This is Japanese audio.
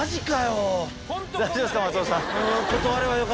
大丈夫ですか？